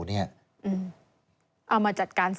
เอามาจัดการซัก